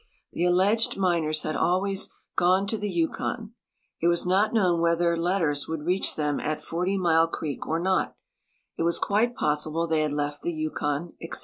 Tlie alleged miners had always "gone to the Yukon;" it was not known whether letters would reach them at Forty Mile creek or not; it was quite possil)le they liad left the Yukon, etc.